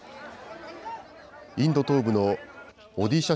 インド東部のオディシャ